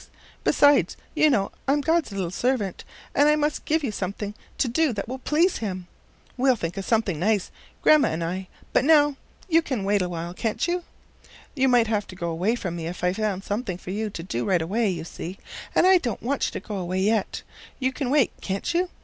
Besides, you know, I'm God's little servant, and I must give you something to do that will please him. We'll think of something nice, Grandma and I, but now you can wait awhile, can't you? You might have to go away from me if I found something for you to do right away, you see, and I don't want you to go away yet. You can wait, can't you?